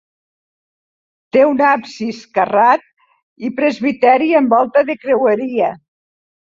Té un absis carrat i presbiteri amb volta de creueria.